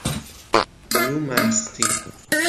بانو مهستی